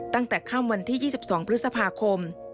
ตั้งแต่ค่ำวันที่๒๒พฤษภาคม